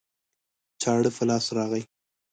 چاړه په لاس راغی